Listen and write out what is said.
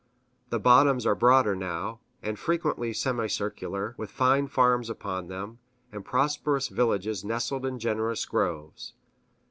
The bottoms are broader now, and frequently semicircular, with fine farms upon them, and prosperous villages nestled in generous groves.